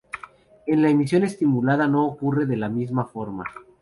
En la emisión estimulada no ocurre de la misma forma.